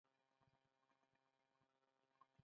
شکمن سړي دي.